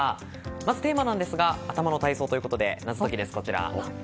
まず、テーマなんですが頭の体操ということで謎解きです。